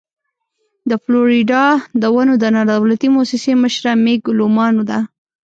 د فلوريډا د ونو د نادولتي مؤسسې مشره مېګ لومان ده.